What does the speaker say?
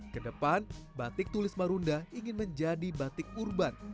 kedepan batik tulis marunda ingin menjadi batik urban